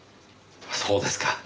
そうですか。